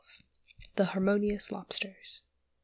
THE HARMONIOUS LOBSTERS.